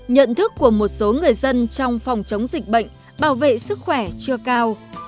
nhận thức của một số người dân trong phòng chống dịch bệnh bảo vệ sức khỏe chưa cao